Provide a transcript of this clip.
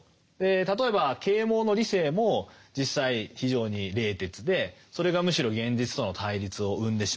例えば啓蒙の理性も実際非常に冷徹でそれがむしろ現実との対立を生んでしまったわけですよね。